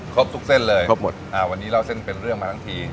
ครบทุกเส้นเลยครบหมดอ่าวันนี้เล่าเส้นเป็นเรื่องมาทั้งที